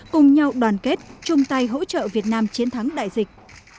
cùng nhau đoàn kết chung tay hỗ trợ việt nam chiến thắng đại dịch